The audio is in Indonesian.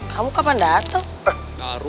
kamu kapan dateng